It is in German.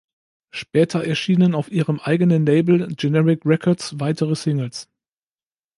Später erschienen auf ihrem eigenen Label Generic Records weitere Singles.